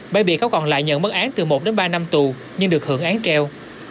bài biệt có còn lại nhận mất án từ một đến ba năm tù nhưng được hưởng án treo